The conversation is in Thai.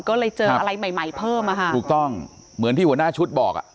ก็เลยเจออะไรใหม่ใหม่เพิ่มอ่ะค่ะถูกต้องเหมือนที่หัวหน้าชุดบอกอ่ะ